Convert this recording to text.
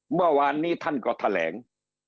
เมื่อวานนี้ท่านก็แถลง